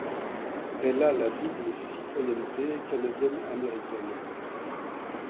Elle a la double citoyenneté canadienne-américaine.